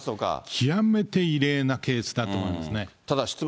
極めて異例なケースだと思いますね。